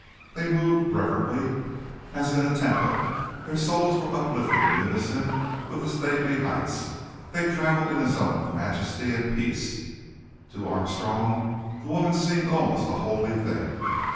They moved reverently, as in a temple. Their souls were uplifted in unison with the stately heights. They travelled in a zone of majesty and peace. To Armstrong the woman seemed almost a holy thing.